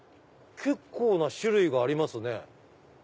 結構な種類がありますね。